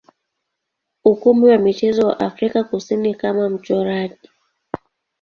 ukumbi wa michezo wa Afrika Kusini kama mchoraji.